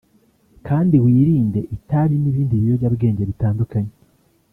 kandi wirinde itabi n’ibindi biyobyabwenge bitandukanye